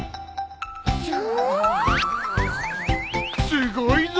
すごいぞ。